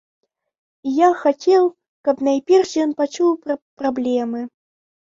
І я хацеў, каб найперш ён пачуў пра праблемы.